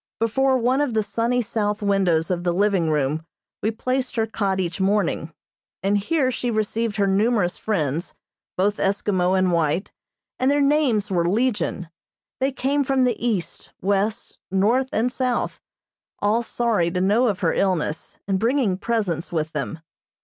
Before one of the sunny south windows of the living room we placed her cot each morning, and here she received her numerous friends, both Eskimo and white, and their names were legion. They came from the east, west, north and south, all sorry to know of her illness, and bringing presents with them.